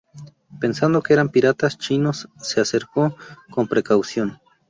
Pensando que eran piratas chinos se acercó con precaución.